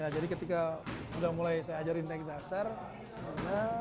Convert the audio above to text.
nah jadi ketika sudah mulai saya ajarin dari kita share